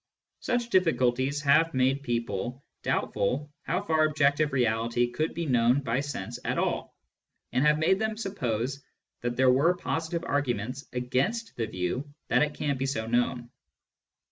Such difficulties have made people doubtful how far objective reality could be known by sense at all, and have made them suppose that there were positive arguments against the view that it can be so Digitized by Google THE EXTERNAL WORLD 97 known.